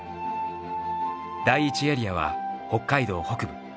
第１エリアは北海道北部。